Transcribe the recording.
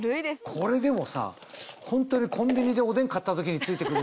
これでもさホントにコンビニでおでん買った時に付いて来る。